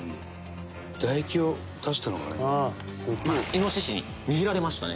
「イノシシに逃げられましたね」